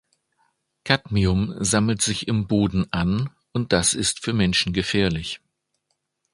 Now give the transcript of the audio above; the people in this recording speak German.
Kadmium sammelt sich im Boden an und das ist für Menschen gefährlich.